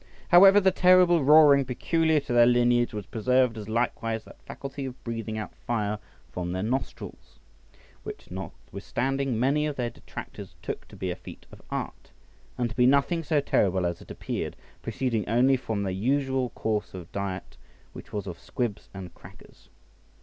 However, the terrible roaring peculiar to their lineage was preserved, as likewise that faculty of breathing out fire from their nostrils; which notwithstanding many of their detractors took to be a feat of art, and to be nothing so terrible as it appeared, proceeding only from their usual course of diet, which was of squibs and crackers.